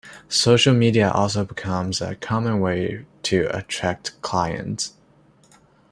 Social media have also become a common way to attract clients.